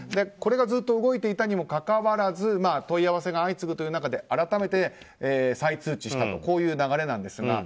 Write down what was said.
これがずっと動いていたにもかかわらず問い合わせが相次ぐという中で改めて再通知したという流れです。